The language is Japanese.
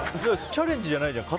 チャレンジじゃないじゃん。